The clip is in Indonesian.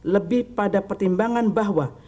lebih pada pertimbangan bahwa